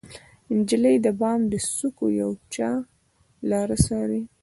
نجلۍ د بام د څوکو د یوچا لاره څارې